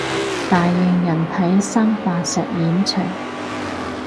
大型人體生化實驗場